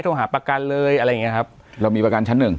หาประกันเลยอะไรอย่างเงี้ยครับเรามีประกันชั้นหนึ่ง